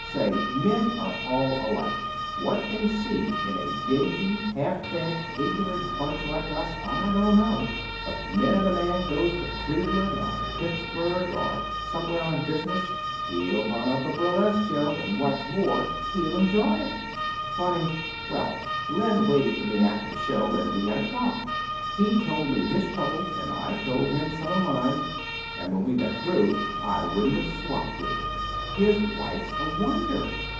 Say, men are all alike. What they see in a dingy, half fed, ignorant bunch like us, I don't know. But the minute a man goes to Cleveland, or Pittsburgh, or somewhere on business he'll hunt up a burlesque show, and what's more, he'll enjoy it. Funny. Well, Len waited for me after the show, and we had a talk. He told me his troubles, and I told him some of mine, and when we got through I wouldn't have swapped with him. His wife's a wonder.